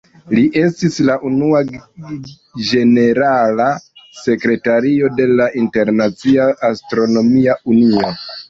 Li estis la unua ĝenerala sekretario de la Internacia Astronomia Unio.